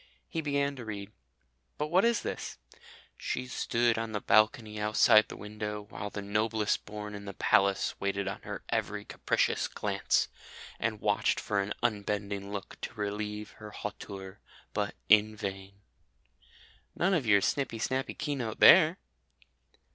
He began to read. But what is this? "She stood on the balcony outside the window, while the noblest born in the palace waited on her every capricious glance, and watched for an unbending look to relieve her hauteur, but in vain." None of your snippy snappy Keynote there!